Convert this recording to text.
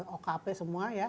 okp semua ya